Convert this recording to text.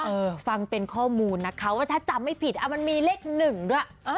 เออฟังเป็นข้อมูลนะคะว่าถ้าจำไม่ผิดมันมีเลขหนึ่งด้วย